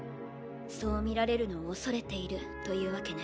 そう見られるのを恐れているというわけね。